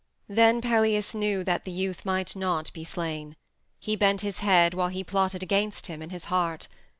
Then Pelias knew that the youth might not be slain. He bent his head while he plotted against him in his heart.